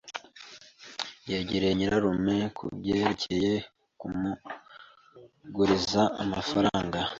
[S] Yegereye nyirarume kubyerekeye kumuguriza amafaranga.